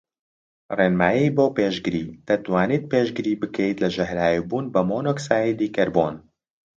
ڕێنمایی بۆ پێشگری:دەتوانیت پێشگری بکەیت لە ژەهراویبوون بە مۆنۆکسایدی کەربۆن